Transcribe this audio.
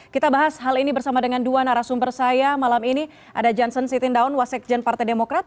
kita bahas hal ini bersama dengan dua narasumber saya malam ini ada johnssen sitindaun wasekjen partai demokrat